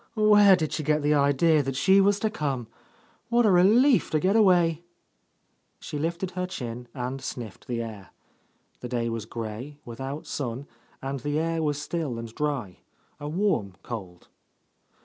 Where did she get the idea that she was to come? What a relief to get awayl" She lifted her chin and sniffed the air. The day was grey, without sun, and the air was still and dry, a warm cold.